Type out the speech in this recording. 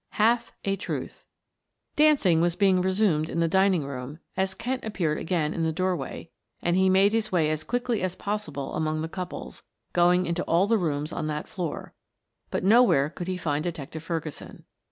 HALF A TRUTH Dancing was being resumed in the dining room as Kent appeared again in the doorway and he made his way as quickly as possible among the couples, going into all the rooms on that floor, but nowhere could he find Detective Ferguson.